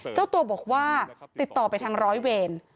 เจ้าตัวบอกว่าติดต่อไปทางร้อยเวร